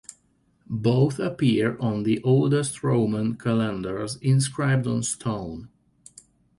Both appear on the oldest Roman calendars inscribed on stone.